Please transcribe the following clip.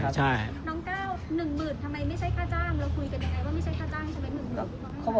ใช่ครับยืนยันครับ